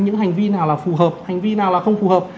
những hành vi nào là phù hợp hành vi nào là không phù hợp